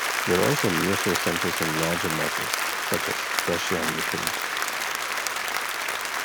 There are also nearshore centers in larger markets, such as Russia and Ukraine.